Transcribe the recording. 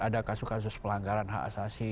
ada kasus kasus pelanggaran hak asasi